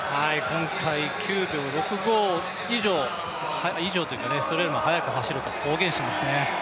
今回９秒６５以上、というか、それよりも速く走ると公言してますね。